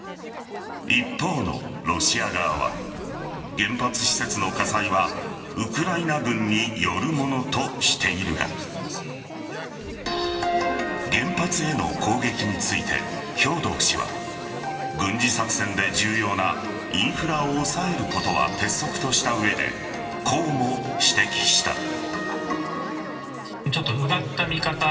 一方のロシア側は原発施設の火災はウクライナ軍によるものとしているが原発への攻撃について兵頭氏は軍事作戦で重要なインフラを抑えることは鉄則とした上でこうも指摘した。